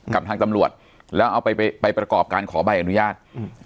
กับทางตำรวจแล้วเอาไปประกอบการขอใบอนุญาต